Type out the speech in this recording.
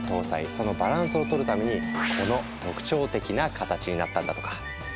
そのバランスを取るためにこの特徴的な形になったんだとか。